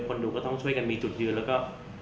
คนดูก็ต้องช่วยกันมีจุดยืนแล้วก็